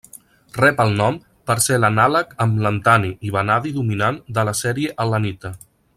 Rep el nom per ser l'anàleg amb lantani i vanadi dominant de la sèrie al·lanita.